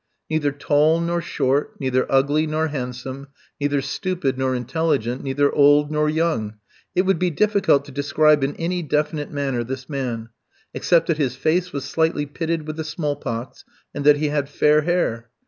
Neither tall nor short, neither ugly nor handsome, neither stupid nor intelligent, neither old nor young, it would be difficult to describe in any definite manner this man, except that his face was slightly pitted with the small pox, and that he had fair hair.